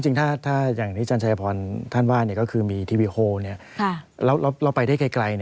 จริงถ้าอย่างที่จันทรายพรรณฑ์ท่านว่ามีทวีโฮเราไปได้ไกล